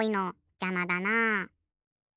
じゃまだな。